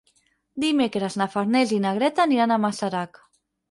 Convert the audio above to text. Dimecres na Farners i na Greta aniran a Masarac.